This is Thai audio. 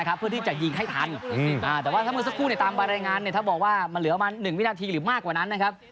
แต่ว่าถ้าหนูเสียสักครู่ในตามบารยงานเนี้ยถ้าบอกว่ามันเหลืออาวุธมากกว่านั้นนะครับ